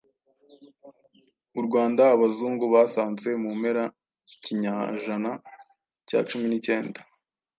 U Rwanda Abazungu basanze mu mpera y'ikinyajana cya cumi nicyenda